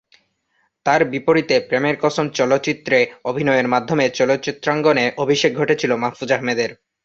তার বিপরীতে "প্রেমের কসম" চলচ্চিত্রে অভিনয়ের মাধ্যমে চলচ্চিত্রাঙ্গনে অভিষেক ঘটেছিল মাহফুজ আহমেদের।